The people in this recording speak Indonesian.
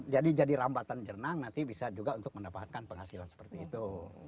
jadi jadi rambatan jernang nanti bisa juga untuk mendapatkan penghasilan seperti itu